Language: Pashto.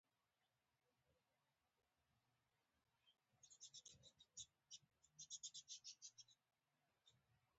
د داستان اصلي کرکټر بغدادي پیر دی.